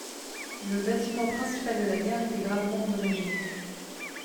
Le bâtiment principal de la gare était gravement endommagé.